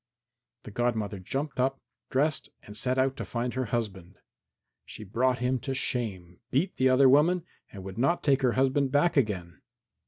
The godmother jumped up, dressed and set out to find her husband. She brought him to shame, beat the other woman and would not take her husband back again.